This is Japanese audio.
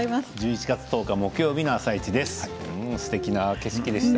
１１月１０日木曜日の「あさイチ」です。